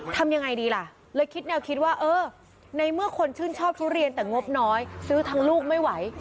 ทำยังไงดีล่ะเลยคิดแนวคิดว่าเออในเมื่อคนชื่นชอบทุเรียนแต่งบน้อยซื้อทั้งลูกไม่ไหว